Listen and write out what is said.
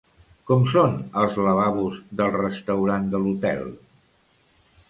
Com són els lavabos del restaurant de l'hotel?